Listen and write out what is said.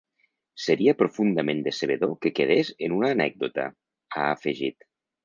“Seria profundament decebedor que quedés en una anècdota”, ha afegit.